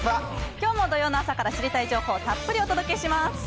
きょうも土曜の朝から、知りたい情報をたっぷりお届けします。